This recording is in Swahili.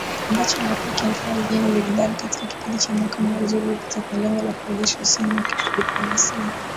ambayo yamekuwa yakiendelea mjini Baghdad katika kipindi cha mwaka mmoja uliopita kwa lengo la kurejesha uhusiano wa kidiplomasia.